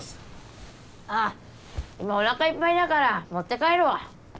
ああ今おなかいっぱいだから持って帰るわ。